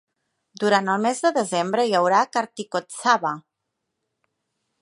Durant el mes de desembre hi haurà Karthikotsava.